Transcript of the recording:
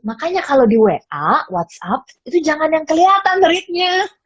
makanya kalau di wa whatsapp itu jangan yang kelihatan ritnya